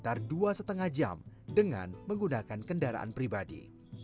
dapat ditempuh selama sekitar dua lima jam dengan menggunakan kendaraan pribadi